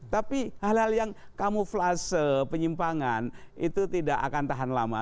tapi hal hal yang kamuflase penyimpangan itu tidak akan tahan lama